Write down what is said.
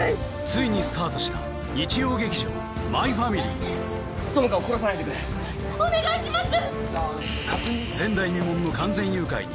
ついにスタートした日曜劇場「マイファミリー」友果を殺さないでくれお願いします！